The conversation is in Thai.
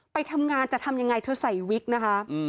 ไปทำงานจะทำยังไงเธอใส่วิกนะคะ